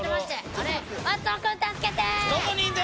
あれ？